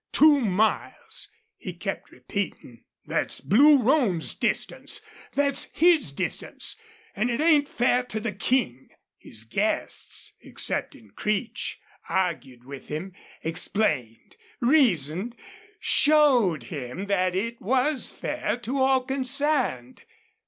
... Two miles!" he kept repeating. "Thet's Blue Roan's distance. Thet's his distance. An' it ain't fair to the King!" His guests, excepting Creech, argued with him, explained, reasoned, showed him that it was fair to all concerned.